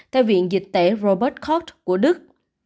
theo viện dịch tễ robert koch của đức